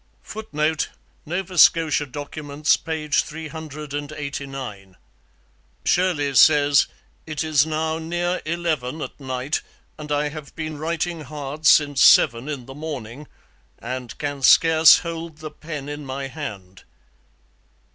[Footnote: Nova Scotia Documents, p. 389. Shirley says: 'It is now near eleven at night and I have been writing hard since seven in the morning... and can scarce hold the pen in my hand.'